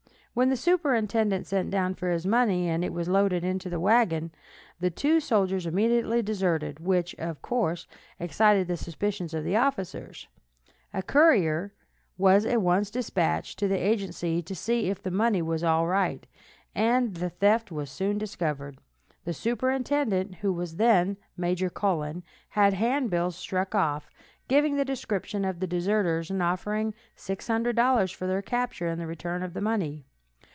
When the superintendent sent down for his money, and it was loaded into the wagon, the two soldiers immediately deserted, which, of course, excited the suspicions of the officers. A courier was at once dispatched to the agency to see if the money was all right, and the theft was soon discovered. The superintendent, who was then Major Cullen, had handbills struck off, giving the description of the deserters, and offering $600 for their capture and the return of the money.